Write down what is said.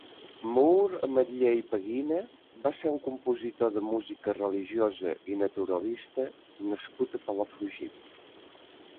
Maur Ametller i Paguina va ser un compositor de música religiosa i naturalista nascut a Palafrugell.